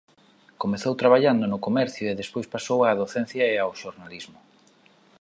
Comezou traballando no comercio e despois pasou á docencia e ao xornalismo.